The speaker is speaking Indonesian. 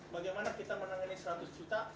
bagaimana kita menangani seratus juta